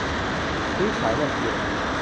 ซื้อขายแลกเปลี่ยน